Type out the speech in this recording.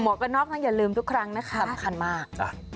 กระนอกนั้นอย่าลืมทุกครั้งนะคะสำคัญมาก